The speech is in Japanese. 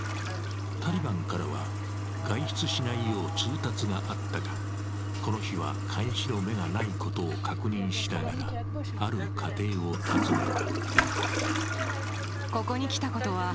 タリバンからは外出しないよう通達があったがこの日は監視の目がないことを確認しながらある家庭を訪ねた。